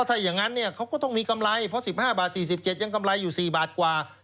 ถ้าอย่างนั้นเนี่ยเขาก็ต้องมีกำไรเพราะ๑๕บาท๔๗ยังกำไรอยู่๔บาทกว่า